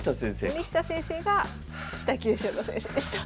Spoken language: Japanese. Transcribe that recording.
森下先生が北九州の先生でした。